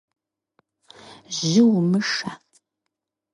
Жьы умышэ!